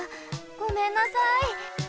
ごめんなさい！